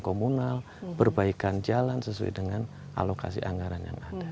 komunal berbaikan jualan dan perusahaan dan perusahaan yang lainnya dan kita juga memiliki